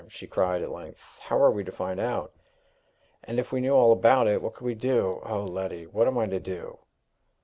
she cried at length. "How are we to find out? And if we knew all about it, what could we do? O Letty! what am I to do?"